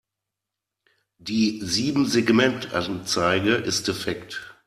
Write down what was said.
Die Siebensegmentanzeige ist defekt.